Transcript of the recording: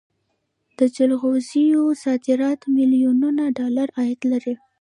د جلغوزیو صادرات میلیونونه ډالر عاید لري